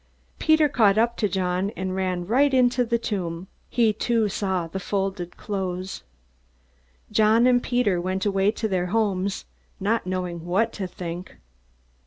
Peter caught up to John, and ran right into the tomb. He too saw the folded cloths. John and Peter went away to their homes, not knowing what to think.